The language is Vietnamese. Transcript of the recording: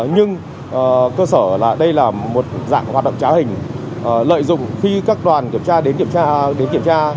nhưng cơ sở là đây là một dạng hoạt động trá hình lợi dụng khi các đoàn kiểm tra đến kiểm tra